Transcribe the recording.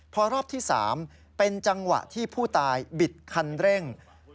พอรอบที่๓เป็นจังหวะที่ผู้ตายบิดคันเร่ง